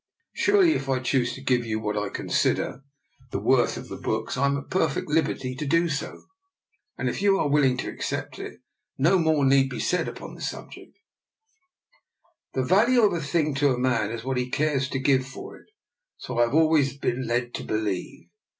Surely if I choose to give you what I consider the DR. NIKOLA'S EXPERIMENT. 19 worth of the books I am at perfect liberty to do so. And if you are willing to accept it, no more need be said upon the subject. The value of a thing to a man is what he cares to give for it, so I have always been led to believe."